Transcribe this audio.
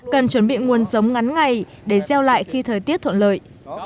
cần chuẩn bị nguồn giống ngắn ngày để gieo lại khi thời tiết thuận lợi